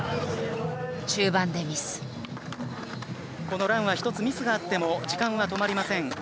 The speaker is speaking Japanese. このランは１つミスがあっても時間は止まりません。